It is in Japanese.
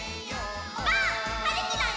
ばあっ！はるきだよ！